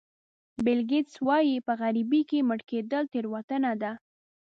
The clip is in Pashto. بیل ګېټس وایي په غریبۍ کې مړ کېدل تېروتنه ده.